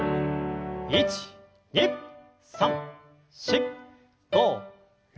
１２３４５６７８。